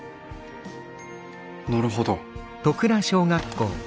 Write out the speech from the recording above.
なるほど。